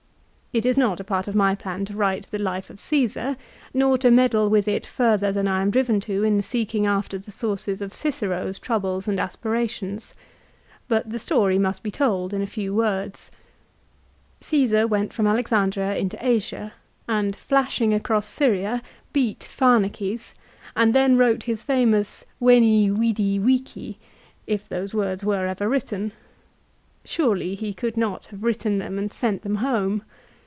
It is not a part of my plan to write the life of Csesar, nor to meddle with it further than I am driven to do in seeking after the sources of Cicero's troubles and aspirations. But the story must be told in a few words. Csesar went from Alexandria into Asia, and, flashing across Syria, beat Pharnaces, and then wrote his famous "Veni Vidi Vici," if those words were ever written. Surely he could not have written them and sent them home